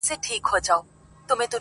چي په دام كي اسير نه سي كوم موږك دئ!.